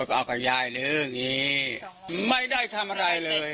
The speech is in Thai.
แล้วเขาอยู่ตรงไหนครับ